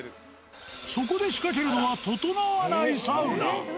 そこで仕掛けるのはととのわないサウナ。